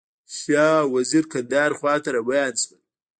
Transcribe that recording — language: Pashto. شاه او وزیر کندهار خواته روان شول.